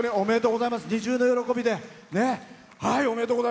二重の喜びで。